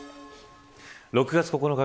６月９日